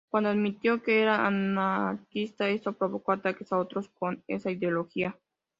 Cuando admitió que era anarquista, eso provocó ataques a otros con esa ideología.